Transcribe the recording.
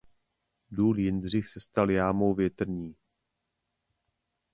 Důl Jindřich se stal jámou větrní.